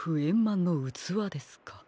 まんのうつわですか。